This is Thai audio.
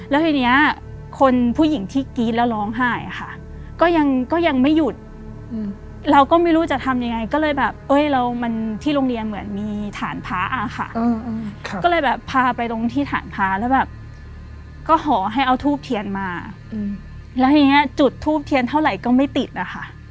แล้วทีนี้คนผู้หญิงที่กรี๊ดแล้วร้องไห้ค่ะก็ยังก็ยังไม่หยุดเราก็ไม่รู้จะทำยังไงก็เลยแบบเอ้ยเรามันที่โรงเรียนเหมือนมีฐานพระอะค่ะก็เลยแบบพาไปตรงที่ฐานพระแล้วแบบก็ขอให้เอาทูบเทียนมาแล้วทีนี้จุดทูบเทียนเท่าไหร่ก็ไม่ติดอะค่ะ